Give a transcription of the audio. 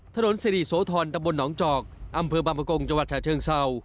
ถนนสิริโสธรณ์ตำบลหนองจอกอำเภอบำกงจวัตรเชิงเศร้า